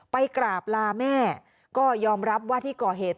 ไปกราบลาแม่ก็ยอมรับว่าที่ก่อเหตุ